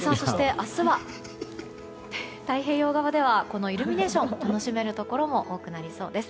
明日は太平洋側ではこのイルミネーションを楽しめるところも多くなりそうです。